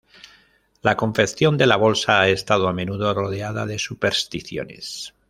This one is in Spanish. La confección de la bolsa ha estado a menudo rodeada de supersticiones.